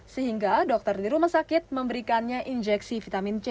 sehingga dokter di rumah sakit memberikannya injeksi vitamin c